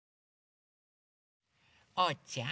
おうちゃん！